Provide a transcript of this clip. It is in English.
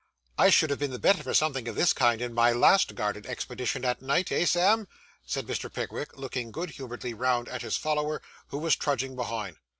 'I should have been the better for something of this kind, in my last garden expedition, at night; eh, Sam?' said Mr. Pickwick, looking good humouredly round at his follower, who was trudging behind.